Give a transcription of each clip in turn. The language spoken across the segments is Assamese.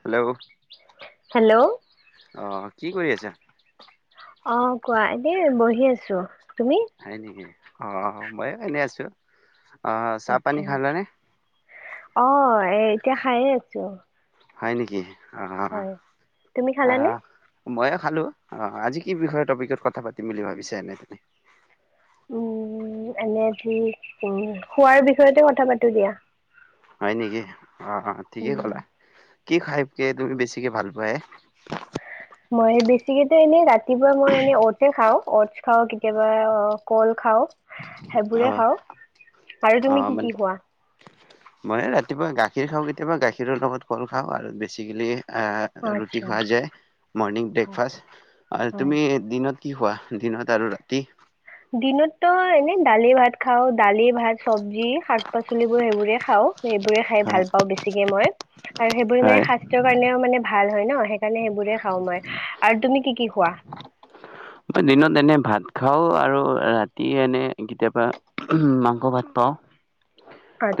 হেল্ল' আহ হেল্ল' কি কৰি আছা। [unintelligible] অ কোৱা এনেই বহি আছো। তুমি হয় নেকি? অ ময়ো এনেই আছো। অ চাহ পানী আচ্ছা খালা নে? অ এ এতিয়া খায়ে আছো হয় নেকি? অ হয় তুমি খালানে। ময়ে খালো অ আজি কি বিষয়ে টপিকত কথা পাতিম বুলি ভাবিছে এনে তুমি উম এনে উম খোৱাৰ বিষয়তে কথা পাতো দিয়া। হয় নেকি? অ অ ঠিকে উম কলা কি খাই তুমি বেছিকে ভাল পোৱা এ মই বেছিকেটো এনেই ৰাতিপুৱা মই এনে অটছে খাওঁ অটছ খাওঁ কেতিয়াবা কল, খাওঁ অ সেইবোৰে খাও আৰু অ তুমি কি মানে কি খোৱা। মই ৰাতিপুৱা গাখীৰ, খাওঁ কেতিয়াবা গাখীৰৰ লগত কল, খাওঁ আৰু বেছিকেলি ৰুটি আচ্ছা খোৱা যায় মৰ্ণিং ব্ৰেকফাষ্ট হয় তুমি দিনত কি খোৱা দিনত আৰু ৰাতি দিনততো এনে দালি ভাত খাও দালি ভাত চবজি শাক পাচলিবোৰ সেইবোৰে খাওঁ এইবোৰে খাই হয় ভাল পাওঁ বেছিকে মই আৰু সেইবোৰ এনেই হয় হাৰ্টৰ কাৰণেও মানে ভাল। ভাল হয় ন সেইকাৰণে সেইবোৰে খাওঁ মই আৰু তুমি কি কি খোৱা? মই দিনত এনে ভাত খাওঁ আৰু ৰাতি এনে কেতিয়াবা মাংস ভাত পাওঁ।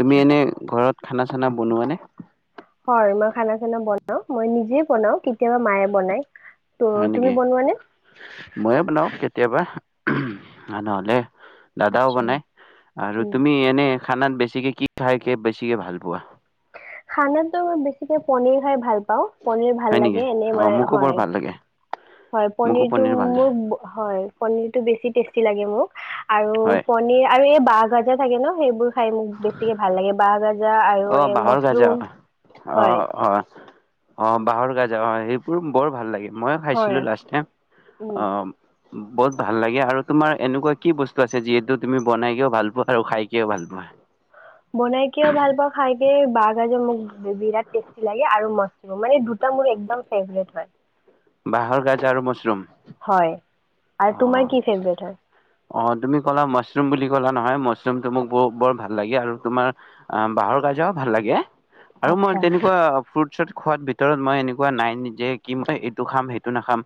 তুমি এনে ঘৰত খানা চানা বনোৱা নে? হয় মই খানা চানা বনাও মই নিজে বনাও। কেতিয়াবা মায়ে বনায় ত হয় তুমি নেকি? বনোৱানে? মা নহ'লে। দাদাও আচ্ছা বনাই আৰু উম, তুমি এনে খানাত বেছিকে কি খাই কে বেছিকে ভাল পোৱা খানাত বেছিকে পনীৰ খাই ভাল পাঁ‌ও পনীৰ ভাল হয় লাগে। নেকি? এনে অ' মই মোকো বৰ হয় ভাল লাগে হয় মোকো পনীৰটো পনীৰ ভাল মোৰ লাগে হয় পনীৰ টো বেছি টেষ্টি লাগে মোক। আৰু হয়। পনীৰ আৰু এই বাহজাগে থাকে ন সেইবোৰ। খাই মোক বেছিকে ভাল লাগে। বাহ গাচ জা আৰু অ' এই বাঁহৰ গাজা মছৰুম অ' হয় অ' অ' বাঁহৰ গাজা অ' সেইবোৰ বৰ ভাল লাগিল। মই হয় খাইছিলোঁ লাষ্ট টাইম। উম বহুত ভাল লাগে আৰু তুমাৰ এনেকুৱা কি বস্তু আছে যিহেতু তুমি বনাইকেও ভাল পোৱা আৰু খাইকিয়া ভাল পোৱা বনাই কিও ভাল পাও খাইকিও বাগাজে মোক বিৰাত তেচতি লাগে আৰু মাচৰোম দুটা মোৰ একদম ফেবৰেব হয় বাঁহৰ গাজ আৰু মাছৰুম হয় আৰু তোমাৰ অ' কি ফেভৰেট হয় অ' তুমি ক'লা মাছৰুম বুলি কলা নহয় মছৰুম তোমোক ব বৰ ভাল লাগে আৰু তোমাৰ অ' বাহঁ‌ৰ কাজাও ভাল লাগে। আৰু মই আচ্ছা তেনেকুৱা ফ্ৰুট তাৰ পিছত খোৱাৰ ভিতৰত মই এনেকুৱা নাই নি যে কি মই এইটো খাম সেইটো নাখাম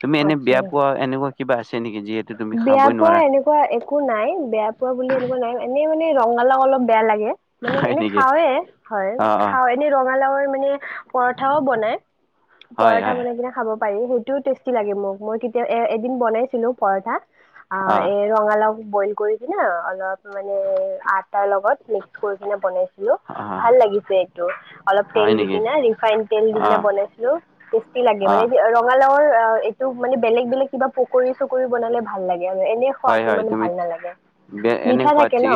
তুমি এনে বেয়া আচ্ছা পোৱা এনেকোৱা। কিবা আছে নেকি যিহেতু তুমি বেয়া খাবই পোৱা নোৱাৰা এনেকোৱা একো নাই বেয়া পোৱা বুলি এনেকোৱা নাই এনে। মানে ৰঙলাউ অলপ বেয়া লাগে। মানে হয় এনে নেকি? খাওয়ে হয় অ', অ', খা এনে ৰঙালাউৰ মানে পৰঠাও বনাই হয় পৰঠা হয় বনাই কিনে খাব। পাৰি সেইটোও টেচটি লাগে মোক মই কেতিয়া এদিন বনাইছিলো? পৰঠা অ এই ৰঙালাউ। বইল কৰি কিনে অলপ। মানে আচাৰ লগত মিস কৰিপিনে বনাইছিলো অ', ভাল লাগিছে এইটো অলপ তেল হয় নেকি? দিকিনে ৰিফাইন তেল দি কিননে অ', বনাইছো তেচটি লাগিল অ', ৰঙালাউ। অ এইটো মানে বেলেগ বেলেগ কিবা পকৰি। চুকৰি বনালে ভাল লাগে। আৰু এনে হয় খোৱাত হয় ইমান তুমি ভাল নালাগে এনে মিঠা সোৱাদ থাকে ন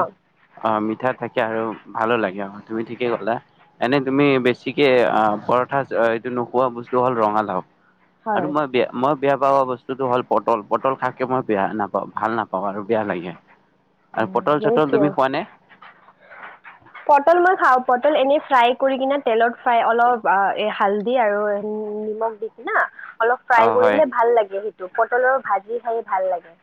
অ মিঠা থাকে আৰু ভালো লাগে আমাক। তুমি ঠিকে ক'লা এনে তুমি বেছিকে পৰঠা এইটো নোখোৱা বস্তু হ'ল ৰঙালাউ। আৰু হয় মই বেয়া মই। বেয়া পোৱা বস্তুটো হ'ল পটল পটল খাইকে মই বেয়া নাপাওঁ? ভাল নাপাওঁ আৰু বেয়া লাগে। আৰু উম, পটল মানে চটল কিয় তুমি খোৱা নে। পটল মই খাওঁ পটল এনেই ফ্ৰাই কৰি কিনে তেলত ফ্ৰাই অলপ হালধি আৰু নিমখ দি কিনা। অলপ অ ফ্ৰাই হয় কৰিলে ভাল লাগে সেইটো? দুটোপটলৰ ভাজি খাই ভাল লাগে।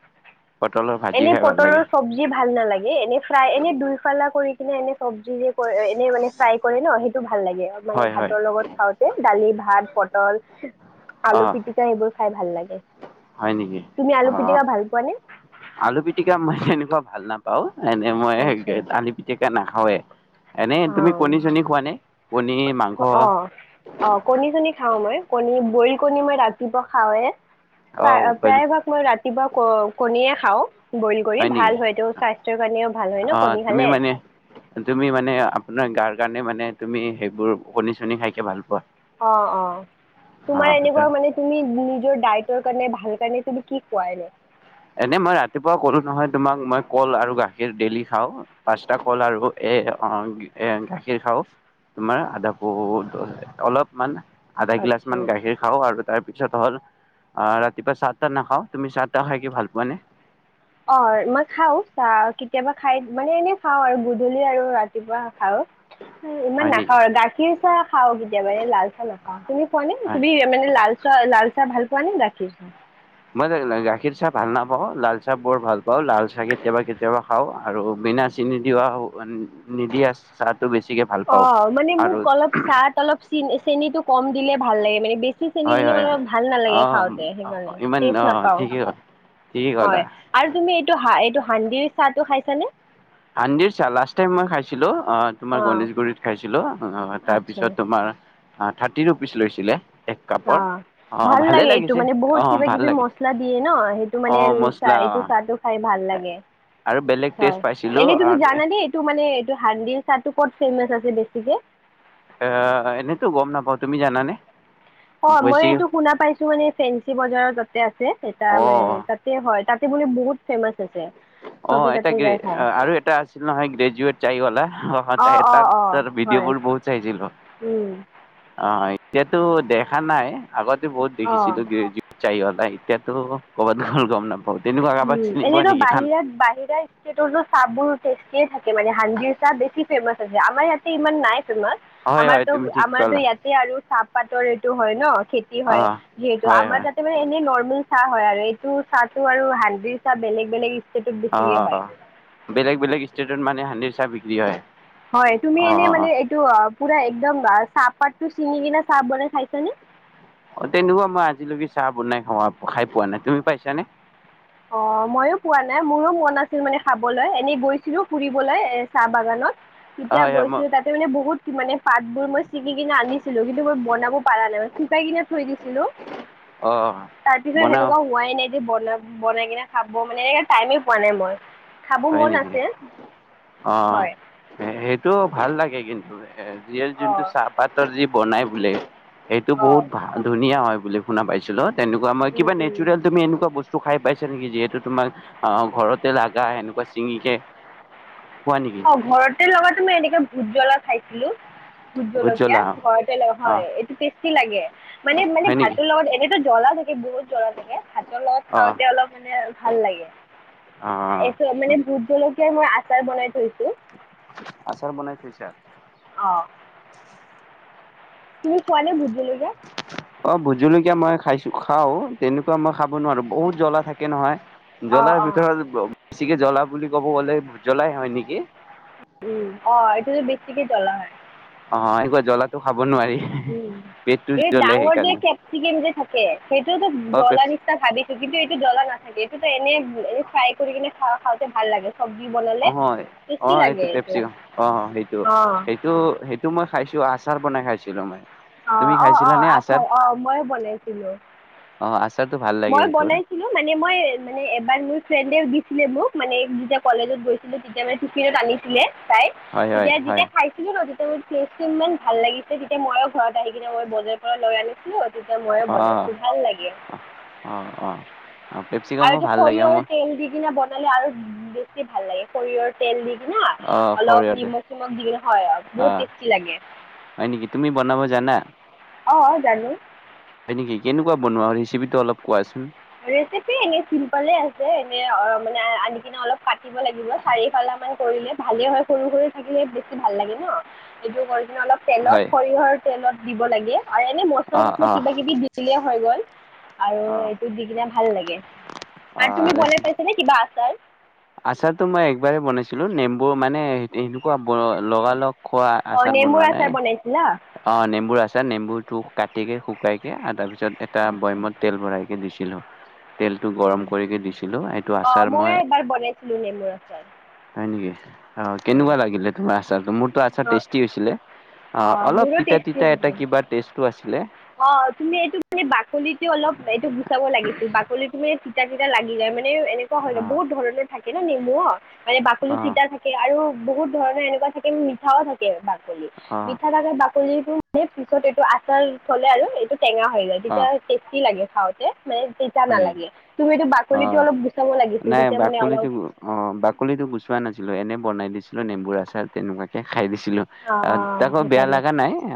পটলৰ ভাজি এনেই খাই ভাল পটলৰ লাগে। চব্জি ভাল নালাগে এনে। এনেই দুইফালা কৰি। এনে চব্জি যে কৰে এনে মানে ফ্ৰাই কৰে ন সেইটো? ভাল লাগে মানে হয় হয় ভাতৰ লগত খাওঁতে দালি ভাত। পটল। অ আলু পিটিকা সেইবোৰ। খাই ভাল লাগে। হয় নেকি তুমি আলু অ পিটিকা ভাল পোৱানে আলু পিটিকা মই তেনেকুৱা? ভাল নাপাওঁ? এনে মই সে আচ্ছা আলু পিটিকা। কে নাখাওৱে। এনেই তুমি কণী অঁ চণী খোৱা নাই কণী মাংস। অঁ অঁ কণী চণী খাওঁ মই কণী বইল কণী মই ৰাতিপুৱা খাওঁৱে। প্ৰায় অ প্ৰায়ভাগ মই ৰাতি। কিবা ক কণীয়ে খাওঁ। বইল কৰি হয় নেকি? ভাল হয়তটো স্বাস্থ্যৰ কাৰণেও ভাল হয় ন অ' কণী তুমি খালে। মানে তুমি মানে আপোনাৰ গাৰ কাৰণে মানে তুমি সেইবোৰ কণী-চণী খাইকৈ ভাল পোৱা। অহ-অহ। তোমাৰ অ' এনেকুৱা মানে তুমি নিজৰ ডাই ভাল কাৰণে তুমি কি কোৱা এনে? এনে মই ৰাতিপুৱা কলো নহয় তোমাক মই কল আৰু গাখীৰ ডেইলি খাওঁ। পাঁচটা কল আৰু এ-এ গাখীৰ খাওঁ তোমাৰ আদাপহ অলপমান আধা গিলাচ আচ্ছা মান গাখীৰ খাওঁ আৰু তাৰপিছত হ'ল ৰাতিপুৱা চাতটা নাখাও। তুমি চাতটা খাই ভাল পোৱা নে? অঁ মই খাওঁ চাহ কেতিয়াবা খাই মানে এনেই খাওঁ আৰু গধূলি আৰু ৰাতিপুৱা। আৰু ইমান হয় নেকি? নাখাওঁ আৰু গাখীৰ ত [unintelligible] খাও কেতিয়াবা এই লাল চাহ নাখাও তুমি কোৱা নে? হয়। তুমি মানে লাল চাহ লাল চাহ ভাল নে গাখিৰ্চা? মই গাখীৰ চাহ ভাল নাপাওঁ, লাল চাহ বৰ ভাল পাওঁ। লাল চাহ কেতিয়াবা-কেতিয়াবা খাওঁ আৰু বিনা চেনি দিয়া নিদিয়া চাহ অ মানে মোক অলপ চাহত অলপ চেনি চেনিটো কম দিলে ভাল লাগে মানে বেছি চেনী হয় দিলে হয় মানে হয় মোৰ ভাল অ নালাগে খাওঁতে সেইকাৰণে ইমান অ টেষ্ট নাপাওঁ ঠিকেই হ'ল ঠিকেই ক'লা হয়। আৰু তুমি এইটো হা এইটো হাঁড়িৰ চাহ টো খাইছা নে? হাঁড়িৰ চাহ, লাষ্ট টাইম মই খাইছিলো। অহ তোমাৰ অ গনেশ গুৰিত খাইছিলো। অহ আচ্ছা তাৰপিছত তোমাৰ অ থাৰ্টি ৰুপিচ লৈছিলে। এক কাপৰ অহ, অ ভাল ভালে লাগে এইটো লাগিছে মানে অ বহুত ভাল কিবা-কিবি লাগে মচলা দিয়ে ন? সেইটো অ মানে চাহ মছলা এইটো অ চাহটো খাই ভাল লাগে। আৰু বেলেগ হয়। টেষ্ট পাইছিলো এনেই তুমি আৰু এ জানানেই? এইটো মানে হাঁড়িৰ চাহটো ক'ত ফেমাচ আছে বেছিকে? আহ এনেইতো গম নাপাও তুমি জানানে? অ মই বেছি এইটো শুনা পাইছো মানে ফেঞ্চি বজাৰত তাতে আছে এটা অ মানে তাতে হয় ত বুলি বহুত ফেমাচ আছে। অহ চবে এটা তাতে যায় খায় আৰু এটা আছিল নহয়, গ্ৰেজুৱেট চাই ৱালা? অহ অঁ অঁ অঁ তাৰ ভিডিঅ' হয় বোৰ বহুত চাইছিল। অহ এতিয়াতো দেখা নাই। আগতে বহুত অঁ দেখিছিলো গ্ৰেজুৱেট চাই ৱাল এতিয়াতো, ক'বাত গল গম নাপাওঁ। উম এনেকো বাহিৰত বাহ সেই ষ্টতৰটো চাহবোৰ টেষ্টি এ থাকে। মানে হাঁড়িৰ চাহ বেছি ফেমাচ আছে আমাৰ ইয়াতে ইমান নাই। তোমাৰ হয় হয় তুমি ঠিক আমাৰতো-আমাৰতো ক'লা ইয়াতে আৰু চাহপাতৰ এইটো হয় ন খেতি অ হয় যিহেতু হয় আমাৰ হয় তাতে মানে এনে নৰ্মেল চাহ হয় আৰু এইটো চাহটো আৰু হাঁড়িৰ চাহ বেলেগ বেলেগ ষ্টেটত বেছিকে হয় অ' বেলেগ বেলেগ ষ্টেটত মানে হাঁড়িৰ চাহ বিক্ৰী হয় [inaudible] হয় তুমি অ এনে অ অ মানে এইটো পুৰা একদম চাহ পাতটো চিঙি কিনি চাহ বনাই খাইছা নে অ' তেনেকুৱা মই আজিলৈকে চাহ বনাই খ খাই পোৱা নাই তুমি পাইছানে অ' মইো পোৱা নাই মোৰো মন আছিল মানে খাবলৈ এনে গৈছিলো ফুৰিবলৈ এ চাহ বাগানত তেতিয়া হয় হয় মই গৈছিলো তাতে মানে বহুত। মানে পাতবোৰ মই ছিঙি কিনে আনিছিলো কিন্তু মই বনাব পৰা নাই, শুকাই কিনে থৈ দিছিলো। অ তাৰপিছত বনাও সেনেকুৱা হোৱাই নাই। বল [unintelligible] বনাই কিনে খাব মানে এনেকে টাইমে পোৱা নাই মই। খাব হয়, মন নেকি আছে অ' হয় সেইটো ভাল লাগে। কিন্তু ৰিয়া যোনটো অঁ চাহপাতৰ যি বনাই, বোলে, এইটো অঁ বহুত ভাল ধুনীয়া হয় বুলি শুনা পাইছিলো। তেনেকুৱা মই কিবা নেচোৰেল তুমি এনেকুৱা বস্তু খাই পাইছ নেকি? যিহেতু তোমাৰ অ' ঘৰতে লগা হেনো বা চিঙিকে। অ' ঘৰতে লগা তুমি ভোজ জ্বলা খাইছিলো ভোট জলকীয়া ঘৰতে অ হয়। এইটো টেষ্টি লাগে, মানে-মানে হয় নেকি ভাতৰ লগত জ্বলা এই বহুত যাৰ, থাকে ভাতৰ লগত অ খাওঁতে অলপ মানে ভাল লাগে। অ এই মানে ভোট জলকীয়া ম চাৰ বনাই থৈচো। আচাৰ বনাই থৈছা। অ', তুমি খোৱানে? ভোট জলকীয়া। অ' ভোটজলকীয়া মই খাইছো খাও, তেনেকুৱা মই খাব নোৱাৰো বহুত জ্বলা থাকে নহয়। অঁ জ্বলাৰ অঁ ভিতৰত, বেছিযে জ্বলা বুলি ক'ব গ'লে, জ্বলাই হয় নেকি? উম, অ' এইটোতো বেছিকে জলা হয়। ‌ অ' এই জ্বলাটো খাব নোৱাৰি উম, পেটটো এই জ্বলে ডাঙৰ যে সেইকাৰণে কেপচিকম যে থাকে, সেইটোওতো অ জ্বলা পেপচি নিচিনা ভাবিছো কিন্তু এইটো জ্বলা নাথাকে। সেইটো এনেই ফ্ৰাই কৰি কিনে খা খাওঁ ভাল লাগে। চব্জি বনালে অ-অ, টেষ্টি লাগে এইটো পেপচিকাম অ', অঁ সেইটো-সেইটো-সেইটো, মই খাইছো। সেইটো আচাৰ বনাই খাইছিলো মই। তুমি অ-অ-অ, খাইছিলা নে আচাৰ আচছাৰ অ' ময়ো বনাইছিলো। অ আচাৰটো ভাল লাগে মই সেইটোৰ বনাইছিলো মানে মই মানে এবাৰ মোৰ ফ্ৰেণ্ডে দিছিলে মোক মানে যেতিয়া কলেজত গৈছিলো। তেতিয়া মানে টিফিনত আনিছিলে। তাই হয় হয় তেতিয়া হয় যেতিয়া খাইছিলো ন তেয়া মোৰ ফ্ৰেচটো ইমান ভাল লাগিছে যেতিয়া মইো ঘৰত আহি কিনে মই বজাৰ পৰা লৈ আনিছিলো। তেতিয়া মইয়ে অ বনাইছো ভাল লাগে। অ অ আৰু পেপচিকামো এইটো ভাল লাগে সৰিয়হৰ মোৰ তেল দি কিনে বনাই আৰু বেছি ভাল লাগে সৰিয়হৰ তেল দি অ অলপ সৰিয়হতে নিমখ চিমখ দি কিনে হয়। আৰু অ বহুত টেষ্টি লাগে। হয় নেকি তুমি বনাব জানা অ জানো হয় নেকি কেনেকুৱা বনোৱা ৰেচিপি টো অলপ কোৱাচোন। ৰেচিপি এনে চিম্পলে আছে এনে অ মানে আনি কিনে অলপ। পাতিব লাগিব চাৰিফালে আমাৰ কৰিলে ভালে হয় সৰু সৰু থাকিলে বেছি ভাল লাগে ন এইটো কৰি অলপ তেলত হয় সৰিয়হৰ তেলত দিব লাগে। আৰু এনেই মচলা অ চচলা অ কিবা কিবি দিলে হৈ গ'ল আৰু দি কিনে ভাল লাগে আৰু তুমি বনাই পাইছা নে কিবা আচাৰ আচাৰতটো মই একবাৰেই বনাইছিলো নেমবোৰ মানে সেনেকুৱা লগা লগ অ নেমুৰ আচাৰ বনাইছিলা। অ নেম্বুৰ আছে নেম্বু তটো কাটি কে শুকাই কে আৰু তাৰপিছত যত এটা আচ্ছা বৈয়মত তেল ভৰাইকৈ দিছিলোঁ। তেলটো গৰম কৰিকে দিছিলো এইটো অঁ অঁ আচাৰ মই এবাৰ বনাইছিলোঁ নেমুৰ আচাৰ হয় নেকি? অ হয় কেনেকুৱা লাগিলে তোমাৰ আচাৰটো মোৰতো আচাৰ অঁ টেষ্টি হৈছিলে। অ অঁ অলপ তিতা তিতা এটা কিবা টেষ্ট আ আছিলে। অ তুমি এইটো মানে বাকলিতো অলপ এইটো গুচাব লাগিছিল বাকলি ত ম কটাকেইটা লাগি যায় মে এনেকুৱ হয় অ বহু ধৰণৰ থাকে এই নেমু মানে বাকলি অ তিতা থাকে আৰু বহুত ধৰণৰ এনেকুৱা থাকে মিঠাও থাকে বাক মিঠা অ থাকে টো মানে পিছত এইটো আচাৰ থলে আৰু এইটো। টেঙা হৈ যায় অ তেতিয়া টেষ্টি লাগে হ দে মানে তেতিতয়া হয় নালাগে তুমিটো অ বাকলিটো অলপ গুচাব লাগিছিল নাই তেতিয়া মানে বাকলিটো অলপ গু- অ বাকলিটো গুচোৱা নাছিলো এনে বনাই দিছিলো নেম্বুৰ আচাৰ তেনেকুৱাকে খাই দিছিল অ অ সেইকাৰণে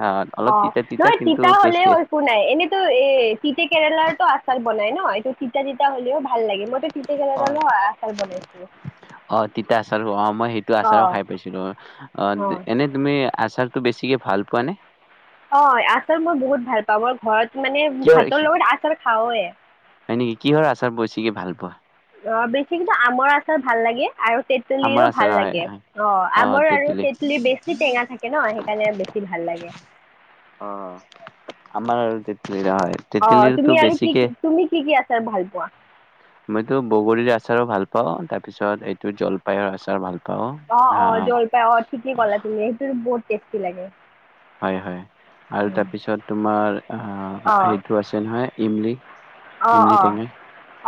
আহ অ অলপ তিতা নহয় কিন্তু তিতা টেষ্টি হলেও আছে। একো নাই এনেইতো এ তিতে কেৰেলাৰো আচাৰ বনাই ন এইটো তিতা তিতা হলেও ভাল লাগে মইতো ফি গলে হয়। গল একেল বাইছো অ তিতা আচাৰ অ মই সেইটো আচাৰো খাই পাইছিলো অ অ' এনে তুমি আচাৰ বেছিকে ভাল পোৱা নে অ আচল মই বহুত ভাল পাওঁ ম আৰু ঘৰত মানে কিহৰ ভাতৰ লগত আচাৰ খাওয় হয় নেকি কিহৰ আচাৰ বেছিকে ভাল পোৱা অ বেছি কিন্তু আমৰ আচাৰ ভাল লাগে। আৰু আমাৰ তেতুলীৰো আচাৰ ভাল হয় লাগে অ আমৰ আৰু তেতলী বেছি টেঙা থাকে ন সেইকাৰণে বেছি ভাল লাগে অ আমাৰ আৰু তেতেলীৰ হয় অ তেতেলীৰটো তুমি আৰু কি বেছিকে কি তুমি কি কি আছ ছ ভাল পোৱা মইতো বগৰীৰ আচাৰো ভাল পাওঁ তাৰ পিছত এইটো জলপাইৰ আচাৰ ভাল পাওঁ অ অ আহ জ্বলপাই অ ঠিকে ক'লা তুমি সেইটো একষ্টি লাগে হয় হয় আৰু তাৰপিছত তোমাৰ অহ অ' সেইটো আছে নহয় ইমলি অ' ইমলি অ' টেঙা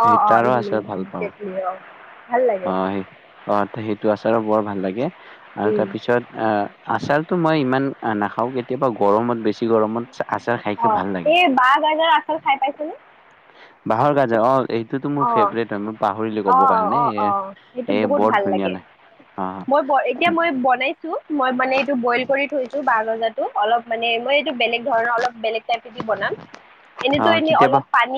অ' অ' তাৰো ইদলি আচাৰ ভাল পাওঁ। কেটলি অ' ভাল লাগে অ এইটো। সেই অ সেইটো আছে বৰ ভাল লাগে। আৰু উম। তাৰপিছত আচাৰতটো মই ইমান। অ নাখাও কেতিয়াবা গৰমত বেছি গৰমত। আচাৰ অ খাইকে ভাল লাগে এই বাঁহ গাজৰ আচল খাই পাইছেনে। বাঁহৰ গাজা অ। এইটোতো মোৰ অ' ফেভৰেট হয় মই পাহৰিলো ক'ব অ' কাৰণে। অ' অ সেইটো এ বহুত বৰ ভাল ধুনীয়া লাগে অ মই এতিয়া মই বনাইছো। মই মানে এইটো বইল কৰি থৈছো বাহ গজাটো। অলপ মানে মই। বেলেগ ধৰণৰ অলপ বেলেগ টাইপত বনাম এনে অ এনে কেতিয়াবা অলপ পান।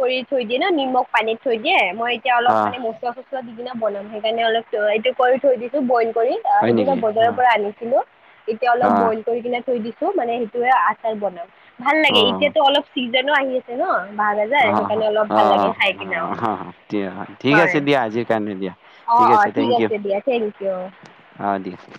কৰি থৈ দি না নিমখ। পানীত থৈ দিয়ে মই। এতিয়া অল অ মানে মচলা চচালা দিম। না বনাম সেইকাৰণে অলপ এইটো কৰি থৈ দিছো বইল। কৰি অ হয় সেইদিনা নেকি অ বজাৰ পৰা আনিছিলো অলপ বয়ল কৰি কিনে। থৈ দিছো মানে সেইটোয়ে আচাৰ বনাম। ভাল অ লাগে অ এতিয়াতো অলপ চিজ। জানো আহি আছে ন। বাহ না যায় সেইকাৰালে অ', অলপ ভাল লাগে অ', খাই। কিনেও অ অ দিয়া ঠিক হয় আছে দিয়া আজিৰ কাৰণে দিয়া অঁ ঠিক অঁ আছে থেংক ইউ দিয়া থেংক ইউ অ দিয়া। উম।